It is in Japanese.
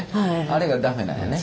あれが駄目なんやね